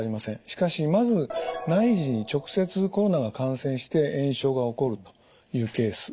しかしまず内耳に直接コロナが感染して炎症が起こるというケース。